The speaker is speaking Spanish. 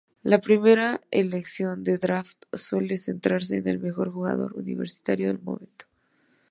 La primera elección del Draft suele centrarse en el mejor jugador universitario del momento.